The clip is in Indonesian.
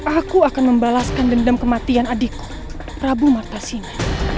aku akan membalaskan dendam kematian adikku prabu martasime